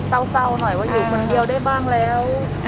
เศร้าหน่อยว่าอยู่คนเดียวได้บ้างแล้ว